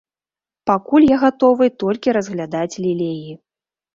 Пакуль я гатовы толькі разглядаць лілеі.